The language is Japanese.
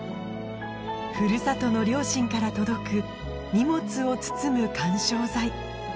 ふるさとの両親から届く荷物を包む緩衝材